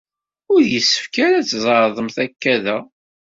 Ur yessefk ara ad tzeɛḍemt akka da.